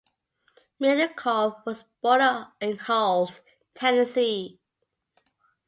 Middlecoff was born in Halls, Tennessee.